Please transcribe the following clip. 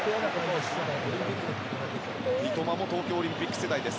三笘も東京オリンピック世代です。